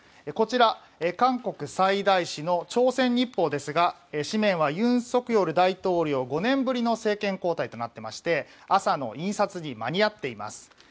こちら、韓国最大紙の朝鮮日報ですが紙面はユン・ソクヨル大統領５年ぶりの政権交代となっていまして朝の印刷に間に合っています。